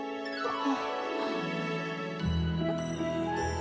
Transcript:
あ。